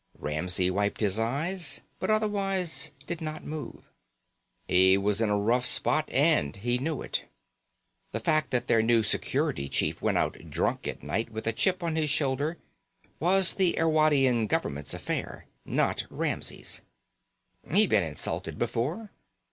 Ramsey wiped his eyes but otherwise did not move. He was in a rough spot and he knew it. The fact that their new Security Chief went out drunk at night with a chip on his shoulder was the Irwadian government's affair, not Ramsey's. He'd been insulted before.